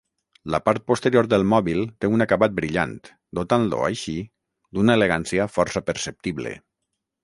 La part posterior del mòbil té un acabat brillant, dotant-lo, així, d'una elegància força perceptible.